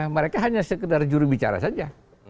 mereka hanya sekedar juru bicara saja